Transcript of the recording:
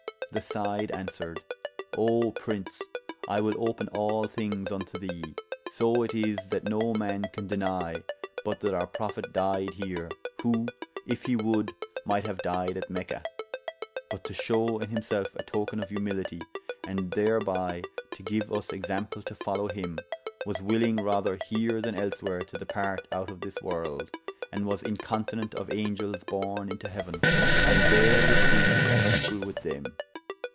The Side aunswered, O Prince, I will open all thynges unto thee. So it is that no man can denye but that our Prophet dyed heere, who, if he woulde, might haue died at Mecha. But to shewe in himself a token of humilitie, and thereby to giue vs example to folowe him, was wyllyng rather heere than elsewhere to departe out of this worlde, and was incontinent of angelles borne into heauen, and there receyued as equall with them.